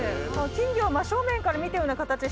金魚を真っ正面から見たような形してますね